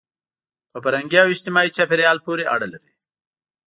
په فرهنګي او اجتماعي چاپېریال پورې اړه لري.